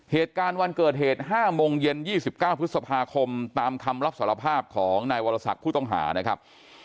เหตุการณ์วันเกิดเหตุ๕โมงเย็น๒๙พฤษภาคมตามคำรับสารภาพของนายวรศักดิ์ผู้ต้องหานะครับ